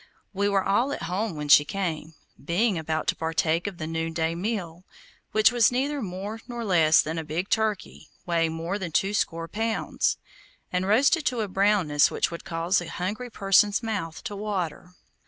We were all at home when she came, being about to partake of the noonday meal, which was neither more nor less than a big turkey weighing more than two score pounds, and roasted to a brownness which would cause a hungry person's mouth to water.